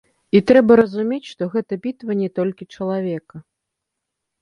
І трэба разумець, што гэта бітва не толькі чалавека.